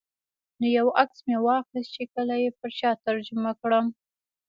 نو یو عکس مې واخیست چې کله یې پر چا ترجمه کړم.